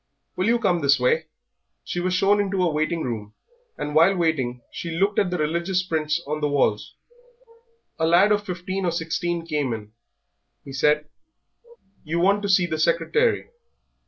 "Will you come this way?" She was shown into a waiting room, and while waiting she looked at the religious prints on the walls. A lad of fifteen or sixteen came in. He said "You want to see the secretary?"